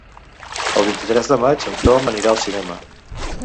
El vint-i-tres de maig en Tom anirà al cinema.